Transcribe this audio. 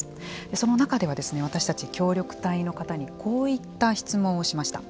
その中では私たち、協力隊の方にこういった質問をしました。